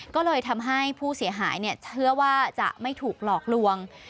ก็เลยทำให้ผู้เสียหายเชื่อว่าจะไม่ถูกหลอกลวง